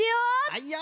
はいよ！